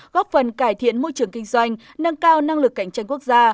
góp phần cải thiện môi trường kinh doanh nâng cao năng lực cạnh tranh quốc gia